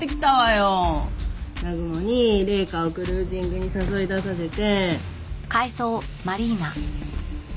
南雲に麗華をクルージングに誘い出させて。